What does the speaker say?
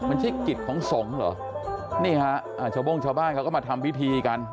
มันใช่กิจของสงฆ์เหรอนี่ฮะอ่าชาวโบ้งชาวบ้านเขาก็มาทำพิธีกัน